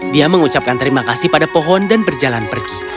dia mengucapkan terima kasih pada pohon dan berjalan pergi